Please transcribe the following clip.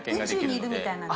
宇宙にいるみたいな？